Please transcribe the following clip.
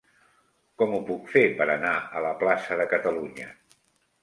Com ho puc fer per anar a la plaça de Catalunya?